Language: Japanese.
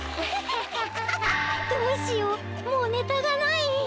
どうしようもうネタがない！